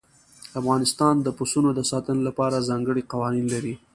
افغانستان د پسونو د ساتنې لپاره ځانګړي قوانين لري.